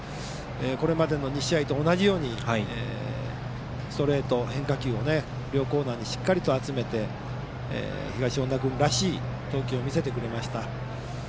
これまでの２試合と同じようにストレート、変化球をね両コーナーにしっかり集めて東恩納君らしい投球を見せてくれました。